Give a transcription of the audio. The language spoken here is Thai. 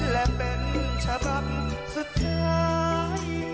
และเป็นใชัรัพย์สุดท้าย